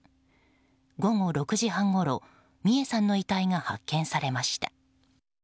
午後６時半ごろ美恵さんの遺体が発見されました。